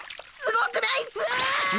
ごくないっす！